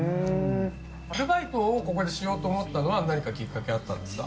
アルバイトをここでしようと思ったのは何かきっかけがあったんですか？